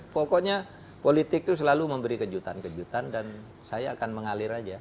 pokoknya politik itu selalu memberi kejutan kejutan dan saya akan mengalir aja